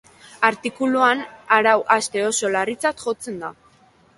Artikuluan arau hauste oso larritzat jotzen da.